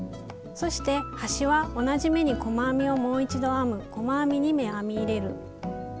そして端は同じ目に細編みをもう一度編む細編み２目編み入れるを編みます。